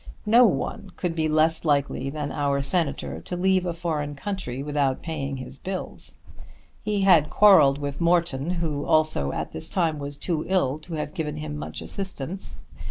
No one could be less likely than our Senator to leave a foreign country without paying his bills. He had quarrelled with Morton, who also at this time was too ill to have given him much assistance.